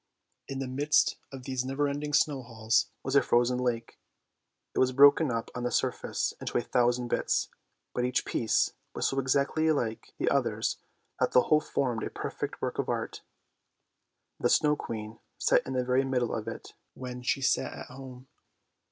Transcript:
In the midst of these never ending snow halls was a frozen lake. It was broken up on the surface into a thousand bits, but each piece was so exactly like the others that the whole formed a perfect work of art. The Snow Queen sat in the very middle of it when she sat at home.